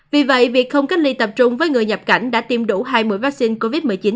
vì vậy việc không cách ly tập trung với người nhập cảnh đã tiêm đủ hai mũi vaccine covid một mươi chín